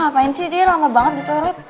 ngapain sih dia lama banget di toilet